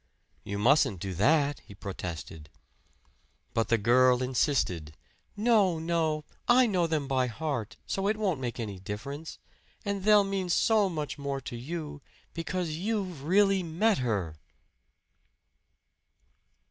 "You mustn't do that!" he protested. But the girl insisted. "No, no! I know them by heart, so it won't make any difference. And they'll mean so much more to you, because you've really met her!"